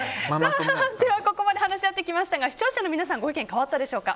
ここまで話し合ってきましたが視聴者の皆さんご意見変わったでしょうか。